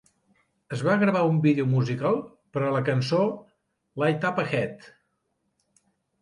Es va gravar un vídeo musical per a la cançó "Light Up Ahead".